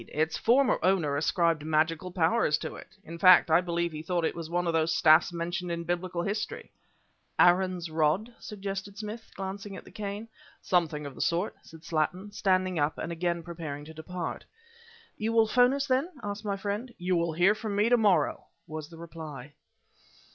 Its former owner ascribed magical powers to it! In fact, I believe he thought that it was one of those staffs mentioned in biblical history " "Aaron's rod?" suggested Smith, glancing at the cane. "Something of the sort," said Slattin, standing up and again preparing to depart. "You will 'phone us, then?" asked my friend. "You will hear from me to morrow," was the reply.